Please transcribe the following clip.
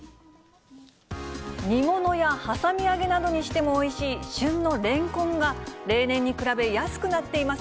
煮物やはさみ揚げなどにしてもおいしい旬のレンコンが、例年に比べ、安くなっています。